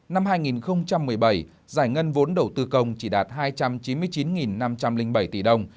năm hai nghìn một mươi bảy giải ngân vốn đầu tư công chỉ đạt hai trăm chín mươi chín năm trăm linh bảy tỷ đồng